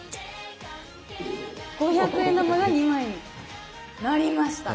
５００円玉が２枚になりました！